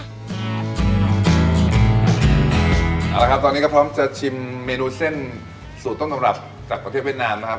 เอาละครับตอนนี้ก็พร้อมจะชิมเมนูเส้นสูตรต้นตำรับจากประเทศเวียดนามนะครับ